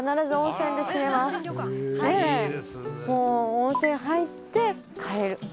温泉入って帰る。